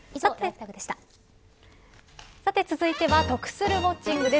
さて続いては得するウォッチング！です。